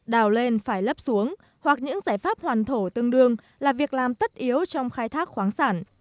đào lên phải lấp xuống hoặc những giải pháp hoàn thổ tương đương là việc làm tất yếu trong khai thác khoáng sản